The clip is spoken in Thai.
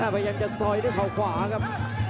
พยายามจะซอยด้วยเขาขวาครับ